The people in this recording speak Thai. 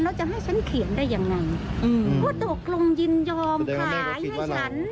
แล้วจะให้ฉันเขียนได้ยังไงอืมผู้ตกลงยินยอมขายให้ฉัน